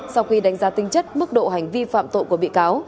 sau khi đánh giá tinh chất mức độ hành vi phạm tội của bị cáo